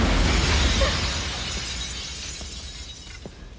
あっ！